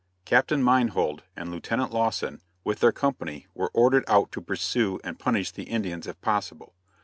Captain Meinhold and Lieutenant Lawson with their company were ordered out to pursue and punish the Indians if possible.